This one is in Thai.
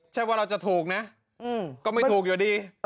ใช่ว่าเราจะถูกนะก็ไม่ถูกอยู่ดี